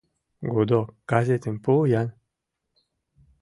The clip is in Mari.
— «Гудок» газетым пу-ян!